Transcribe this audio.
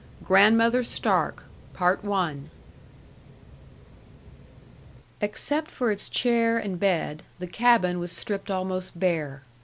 GRANDMOTHER STARK Except for its chair and bed, the cabin was stripped almost bare.